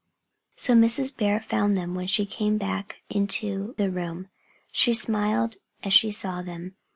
So Mrs. Bear found them when she came back into the room. She smiled as she saw them.